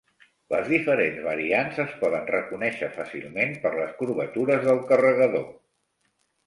Les diferents variants es poden reconèixer fàcilment per les curvatures del carregador.